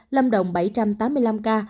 lâm động bảy tám mươi năm ca